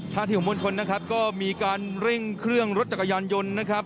ที่ของมวลชนนะครับก็มีการเร่งเครื่องรถจักรยานยนต์นะครับ